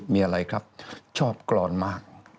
มีอะไรครับชอบกรอนมาก